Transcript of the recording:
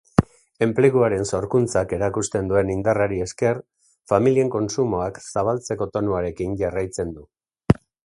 Enpleguaren sorkuntzak erakusten duen indarrari esker, familien kontsumoak zabaltzeko tonuarekin jarraitzen du.